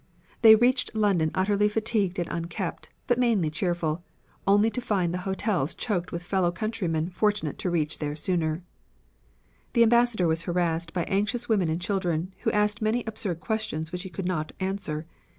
They reached London utterly fatigued and unkempt, but mainly cheerful, only to find the hotels choked with fellow countrymen fortunate to reach there sooner. The Ambassador was harassed by anxious women and children who asked many absurd questions which he could not answer.